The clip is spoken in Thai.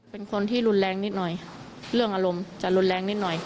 เป็นคนที่รุนแรงนิดหน่อยเรื่องอารมณ์จะรุนแรงนิดหน่อย